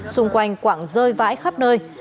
xung quanh quảng rơi vãi khắp nơi